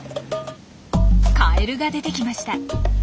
カエルが出てきました。